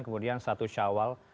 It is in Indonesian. kemudian satu syawal